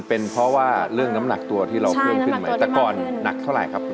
เป็นเพราะว่าเรื่องน้ำหนักตัวที่เราเพิ่มขึ้นไหมแต่ก่อนหนักเท่าไหร่ครับ